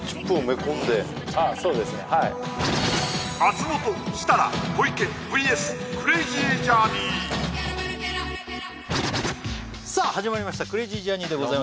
そうですねはい松本設楽小池ＶＳクレイジージャーニーさあ始まりましたクレイジージャーニーでございます